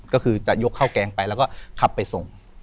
ก็คือจะยกข้าวแกงไปแล้วก็ขับไปส่ง